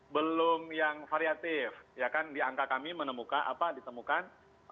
belum yang variatif ya kan di angka kami menemukan apa ditemukan